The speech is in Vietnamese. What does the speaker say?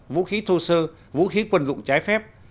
vũ khí thô sơ vũ khí quân dụng trái phép